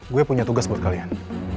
gue punya tugas buat kalian